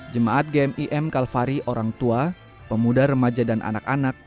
jemaat gem im kalvahari orang tua pemuda remaja dan anak anak